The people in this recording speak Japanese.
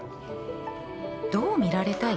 どう見られたい？